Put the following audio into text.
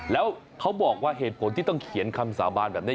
แล้วเขาบอกว่าเหตุผลที่ต้องเขียนคำสาบานแบบนี้